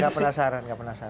enggak penasaran enggak penasaran